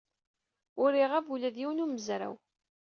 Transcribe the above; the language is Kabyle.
Ur iɣab ula d yiwen n umezraw.